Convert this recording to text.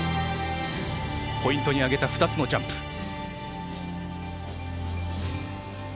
ポイントに挙げた２つのジャンプ。